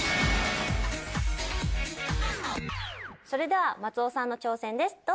それでは松尾さんの挑戦です。